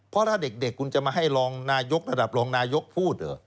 เพราะถ้าเด็กคุณจะมาให้รองนายกระดับรองนายกพูด